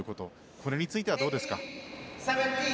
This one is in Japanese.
これについてはどうですか？